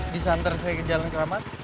bisa antar saya ke jalan keramat